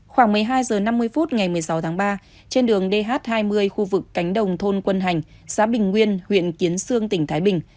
khoảng một mươi hai h năm mươi phút ngày một mươi sáu tháng ba trên đường dh hai mươi khu vực cánh đồng thôn quân hành xã bình nguyên huyện kiến sương tỉnh thái bình